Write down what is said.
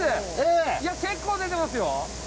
いや結構出てますよ。